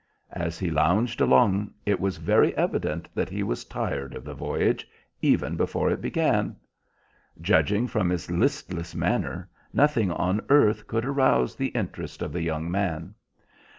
As he lounged along it was very evident that he was tired of the voyage, even before it began. Judging from his listless manner nothing on earth could arouse the interest of the young man.